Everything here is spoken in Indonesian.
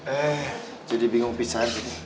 eh jadi bingung pisahin